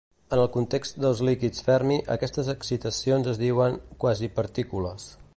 En el context dels líquids Fermi, aquestes excitacions es diuen "quasipartícules".